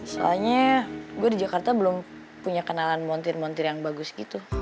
soalnya gue di jakarta belum punya kenalan montir montir yang bagus gitu